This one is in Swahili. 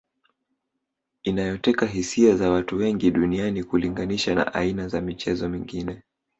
inayoteka hisia za watu wengi duniani kulinganisha na aina za michezo mingine